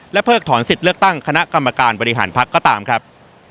เพิกถอนสิทธิ์เลือกตั้งคณะกรรมการบริหารพักก็ตามครับ